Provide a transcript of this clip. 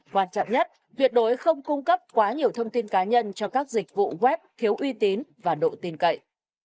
quan trọng nhất tuyệt đối không cung cấp quá nhiều thông tin cá nhân cho các dịch vụ web thiếu uy tín và độ tin cậy